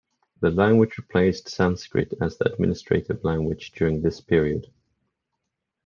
The language replaced Sanskrit as the administrative language during this period.